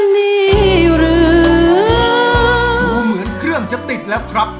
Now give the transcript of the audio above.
นี่หรือดูเหมือนเครื่องจะติดแล้วครับ